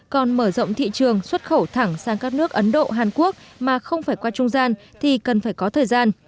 còn mở rộng thị trường xuất khẩu thẳng sang các nước ấn độ hàn quốc mà không phải qua trung gian thì cần phải có thời gian